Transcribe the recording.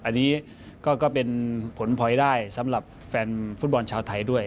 อันนี้ก็เป็นผลพลอยได้สำหรับแฟนฟุตบอลชาวไทยด้วย